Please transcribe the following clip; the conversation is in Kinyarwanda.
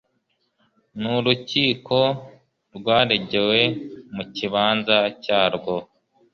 n urukiko rwaregewe mu kibanza cyarwo